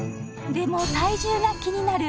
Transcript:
でも体重が気になる